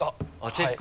チェック？